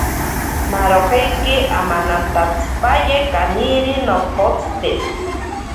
Narojeiki amanantantsipaye kaniri nokotsite.